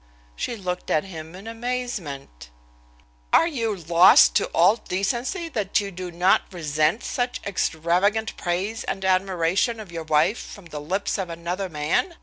She looked at him in amazement. "Are you lost to all decency that you do not resent such extravagant praise and admiration of your wife from the lips of another man?"